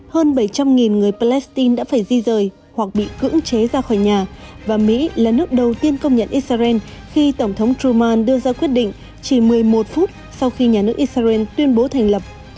hơn bảy trăm linh người palestine đã phải di rời hoặc bị cưỡng chế ra khỏi nhà và mỹ là nước đầu tiên công nhận israel khi tổng thống truman đưa ra quyết định chỉ một mươi một phút sau khi nhà nước israel tuyên bố thành lập